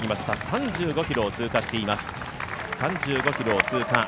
３５ｋｍを通過しています。